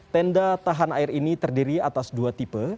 tenda tahan air ini terdiri atas dua tipe